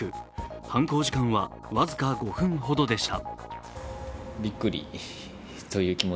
犯行時間は僅か５分ほどでした。